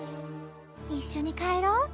いっしょにかえろう。